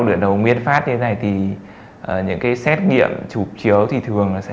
nửa đầu nguyên phát như thế này thì những cái xét nghiệm chụp chiếu thì thường là sẽ